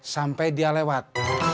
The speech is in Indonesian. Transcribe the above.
sampai dia lewat